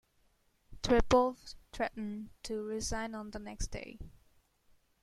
Trepov threatened to resign on the next day.